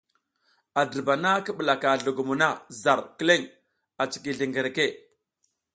A dirbana ki ɓulaka zlogomo na zar kileŋ a ciki zlengereke.